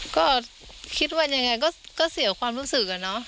ก็คิดว่ายังไงก็เสียความรู้สึกอะเนาะ